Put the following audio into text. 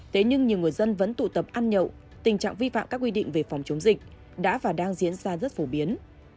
thế nhưng nhiều người dân vẫn tụ tập ăn nhậu tình trạng vi phạm các quy định về phòng chống dịch đã và đang diễn ra rất phổ biến